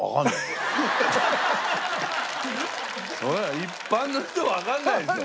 そりゃあ一般の人わかんないですよ。